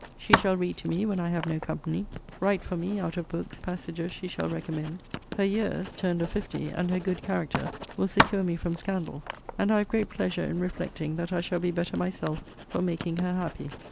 She shall read to me, when I have no company; write for me, out of books, passages she shall recommend. Her years (turned of fifty,) and her good character, will secure me from scandal; and I have great pleasure in reflecting that I shall be better myself for making her happy.